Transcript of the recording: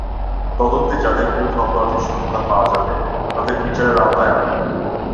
তদন্তে যাদের বিরুদ্ধে অপরাধের সত্যতা পাওয়া যাবে, তাদের বিচারের আওতায় আনতে হবে।